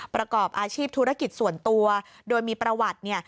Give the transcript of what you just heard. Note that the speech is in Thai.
ประกอบอาชีพธุรกิจส่วนตัวโดยมีประวัติ